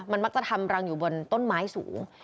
มันมักจะทำรังอยู่บนต้นไม้สูง